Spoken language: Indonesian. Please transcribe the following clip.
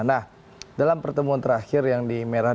nah dalam pertemuan terakhir yang di merah